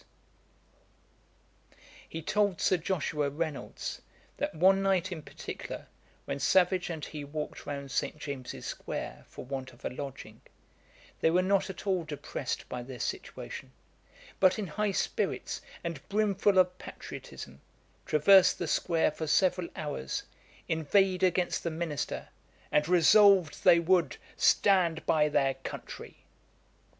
] He told Sir Joshua Reynolds, that one night in particular, when Savage and he walked round St. James's square for want of a lodging, they were not at all depressed by their situation; but in high spirits and brimful of patriotism, traversed the square for several hours, inveighed against the minister, and 'resolved they would stand by their country.'